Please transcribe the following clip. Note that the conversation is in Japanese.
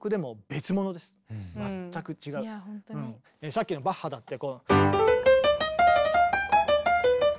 さっきのバッハだって。